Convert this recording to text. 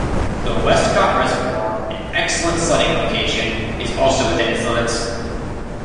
The Westcott Reservoir, an excellent sledding location, is also within its limits.